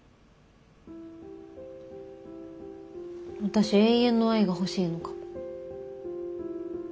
私永遠の愛が欲しいのかも。